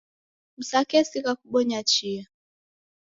Msakesigha kubonya chia